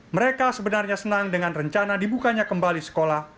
mereka sebenarnya senang dengan rencana dibukanya kembali sekolah